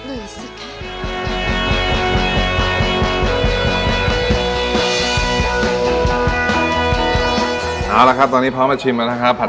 เอาละครับตอนนี้พร้อมมาชิมแล้วนะครับ